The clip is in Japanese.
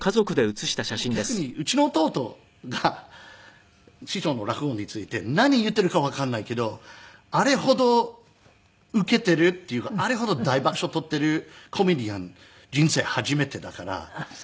でも逆にうちの弟が師匠の落語について何言っているかわからないけどあれほどウケているっていうかあれほど大爆笑取っているコメディアン人生初めてだから。